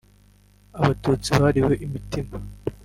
Abatutsi bariwe imitima